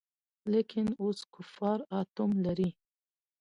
لکېن اوس کفار آټوم لري.